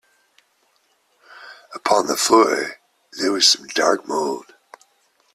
Upon the floor there was some dark mould.